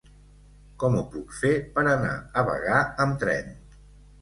Com ho puc fer per anar a Bagà amb tren?